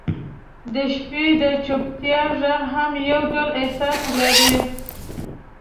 • د شپې د چوپتیا ږغ هم یو ډول احساس لري.